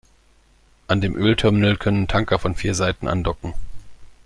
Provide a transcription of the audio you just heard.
An dem Ölterminal können Tanker von vier Seiten andocken.